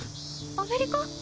アメリカ？